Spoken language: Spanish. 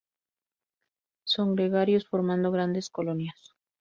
Son gregarios, formando grandes colonias.